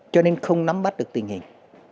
cho nên không nắm bắt được tình hình